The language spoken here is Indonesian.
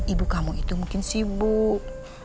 ibu kamu itu mungkin sibuk